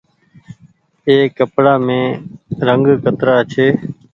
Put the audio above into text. ايِ ڪپڙآ مين رنگ ڪترآ ڇي۔